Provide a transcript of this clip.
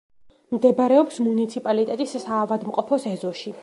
მდებარეობს მუნიციპალიტეტის საავადმყოფოს ეზოში.